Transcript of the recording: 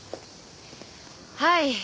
はい。